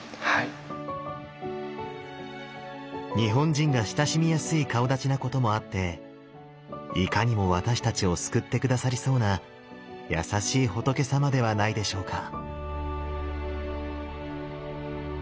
日本人が親しみやすい顔だちなこともあっていかにも私たちを救って下さりそうな優しい仏様ではないでしょうか。